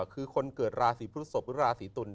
คือคนเกิดราศีพฤศพหรือราศีตุล